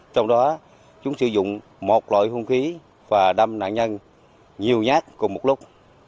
trong đó chúng sử dụng một loại hung khí và đâm nạn nhân nhiều nhát cùng một lúc